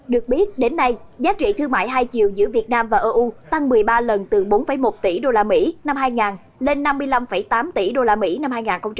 được biết đến nay giá trị thương mại hai chiều giữa việt nam và eu tăng một mươi ba lần từ bốn một tỷ usd năm hai nghìn lên năm mươi năm tám tỷ usd năm hai nghìn một mươi tám